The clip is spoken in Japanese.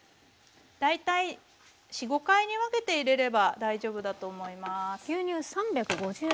大体４５回に分けて入れれば大丈夫だと思います。